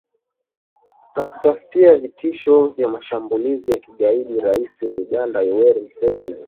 na kufuatia vitisho vya mashambulizi ya kigaidi rais wa uganda yoweri museveni